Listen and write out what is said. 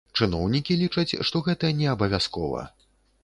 Чыноўнікі лічаць, што гэта неабавязкова.